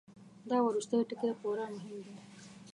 دا وروستی ټکی خورا مهم دی.